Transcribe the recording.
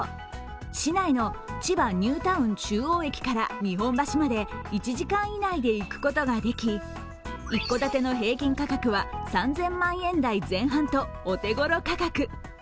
市内の千葉ニュータウン中央駅から日本橋駅まで１時間以内で行くことができ、一戸建ての平均価格は３０００万円代前半とお手頃価格。